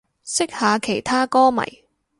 識下其他歌迷